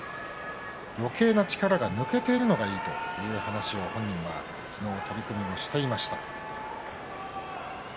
よけいな力が抜けているのがいいという話を本人していました。